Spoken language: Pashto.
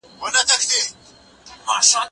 کار د ډلې لخوا ترسره کېږي؟!